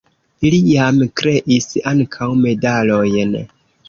Li jam kreis ankaŭ medalojn.